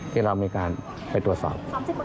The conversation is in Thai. ที่เรามีการไปตรวจสอบ